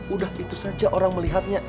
udah itu saja orang melihatnya